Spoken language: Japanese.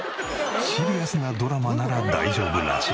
シリアスなドラマなら大丈夫らしい。